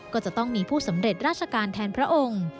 ก็จะต้องมีผู้สำเร็จราชการแทนพระองค์